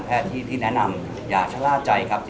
ที่แนะนำอย่าชะล่าใจครับ